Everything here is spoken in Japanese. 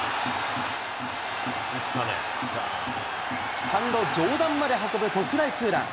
スタンド上段まで運ぶ特大ツーラン。